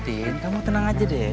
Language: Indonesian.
kamu tenang aja deh